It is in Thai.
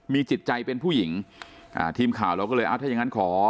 มีจิตใจเป็นผู้หญิงอ่าทีมข่าวเราก็เลยอ่ะถ้าอย่างงั้นขอ